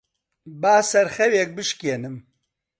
با سەرخەوێک بشکێنم.